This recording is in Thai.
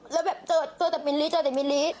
แล้วแบบเจอแต่มะม่วงเจอแต่มะม่วง